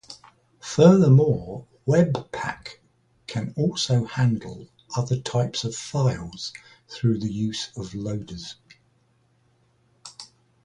Furthermore, webpack can also handle other types of files through the use of loaders.